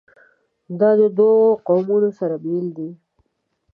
دا دوه قومونه سره بېل دي.